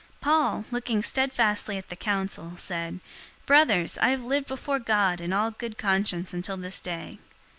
023:001 Paul, looking steadfastly at the council, said, "Brothers, I have lived before God in all good conscience until this day."